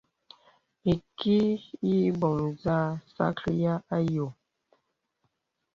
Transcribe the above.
Ìki yə î bɔ̀ŋ nzâ sàkryāy ayò.